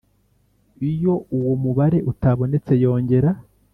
Iyo uwo mubare utabonetse yongera